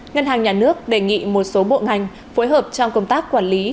ngân hàng nhà nước đề nghị một số bộ ngành phối hợp trong công tác quản lý